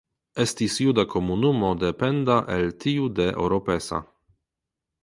Estis juda komunumo dependa el tiu de Oropesa.